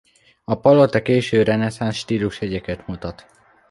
A palota késő reneszánsz stílusjegyeket mutat.